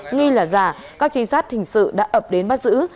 nghi là giả các trinh sát hình sự đã ập đến bắt giữ